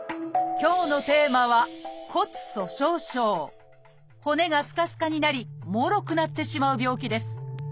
今日のテーマは骨がすかすかになりもろくなってしまう病気です。